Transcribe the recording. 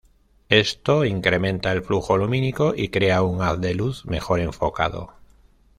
Esto incrementa el flujo lumínico y crea un haz de luz mejor enfocado.